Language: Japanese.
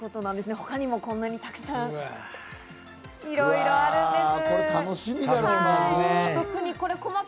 他にも、こんなにたくさん、いろいろあるんです。